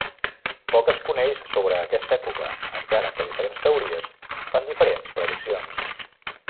Poc es coneix sobre aquesta època, encara que diferents teories fan diferents prediccions.